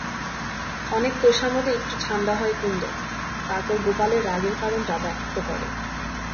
অনেক তোষামোদে একটু ঠাণ্ডা হয় কুন্দ, তারপর গোপালের রাগের কারণটা ব্যক্ত করে।